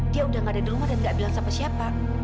dia udah enggak ada di rumah dan enggak bilang siapa siapa